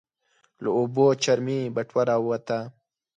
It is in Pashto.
له اوبو چرمي بټوه راووته.